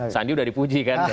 sandi sudah dipuji kan